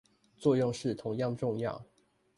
作用是同樣重要